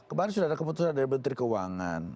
kemarin sudah ada keputusan dari menteri keuangan